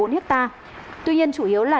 một mươi bốn hectare tuy nhiên chủ yếu là